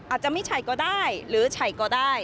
อาจจะไม่ใช่ก็ได้หรือฉัยก็ได้